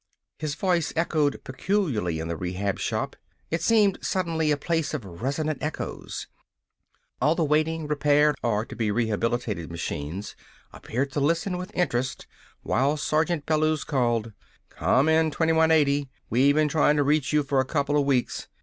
His voice echoed peculiarly in the Rehab Shop. It seemed suddenly a place of resonant echoes. All the waiting, repaired, or to be rehabilitated machines appeared to listen with interest while Sergeant Bellews called: "Come in, 2180! We been trying to reach you for a coupla weeks!